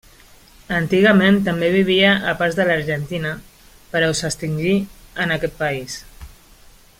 Antigament també vivia a parts de l'Argentina, però s'extingí en aquest país.